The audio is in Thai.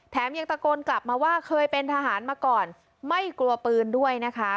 ยังตะโกนกลับมาว่าเคยเป็นทหารมาก่อนไม่กลัวปืนด้วยนะคะ